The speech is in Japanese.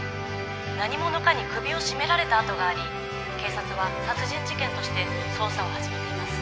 何者かに首を絞められた痕があり警察は殺人事件として捜査を始めています。